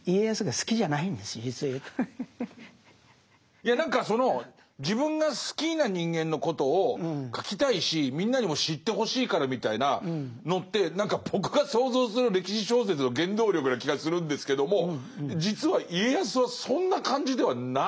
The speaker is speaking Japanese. いや何かその自分が好きな人間のことを書きたいしみんなにも知ってほしいからみたいなのって何か僕が想像する歴史小説の原動力な気がするんですけども実は家康はそんな感じではないんですね。